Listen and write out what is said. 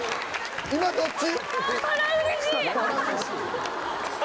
今どっち？